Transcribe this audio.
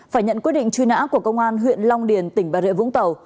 phải nhận quyết định truy nã của công an huyện long điền tỉnh bà rịa vũng tàu